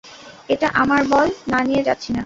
এটা আমার বল, না নিয়ে যাচ্ছি না।